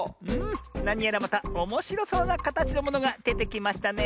なにやらまたおもしろそうなかたちのものがでてきましたね。